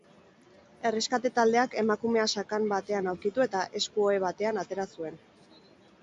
Erreskate taldeak emakumea sakan batean aurkitu eta esku-ohe batean atera zuen.